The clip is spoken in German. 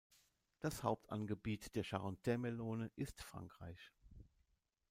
Das Hauptanbaugebiet der Charentais-Melone ist Frankreich.